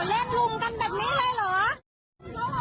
อุ้ยที่โดนลุงรัดออกเลยอ่ะ